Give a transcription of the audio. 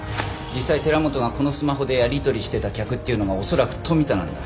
実際寺本がこのスマホでやり取りしてた客っていうのが恐らく富田なんだ。